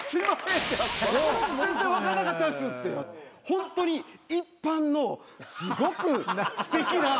ホントに一般のすごくすてきな。